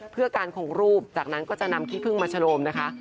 เพื่อการคงรูปจากนั้นก็จะนำขี้พึ่งมาโฉมนะคะ